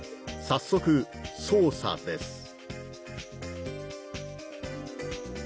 早速捜査です